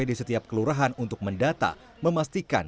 di setiap kelurahan untuk mendata memastikan